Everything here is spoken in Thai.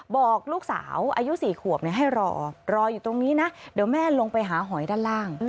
บอกลูกสาวอายุ๔ขวบให้รอรออยู่ตรงนี้นะเดี๋ยวแม่ลงไปหาหอยด้านล่าง